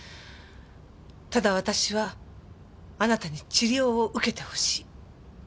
ただ私はあなたに治療を受けてほしい。